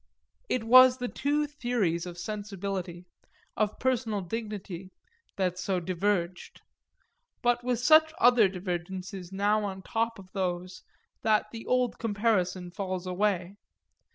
It was the two theories of sensibility, of personal dignity, that so diverged; but with such other divergences now on top of those that the old comparison falls away.